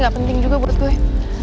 gak penting juga buat gue